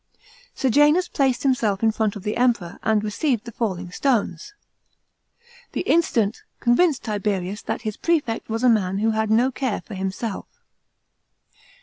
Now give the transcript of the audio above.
Sejanus placed himself in front of the Emperor, and received the falling stones. This incident convinced Tiberius that his prefect was a man who had no care for himself.